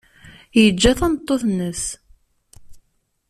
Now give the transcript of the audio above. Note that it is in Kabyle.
Yeǧǧa tameṭṭut-nnes.